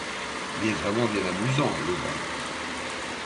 Il était vraiment bien amusant, le vent !